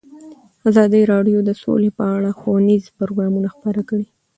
ازادي راډیو د سوله په اړه ښوونیز پروګرامونه خپاره کړي.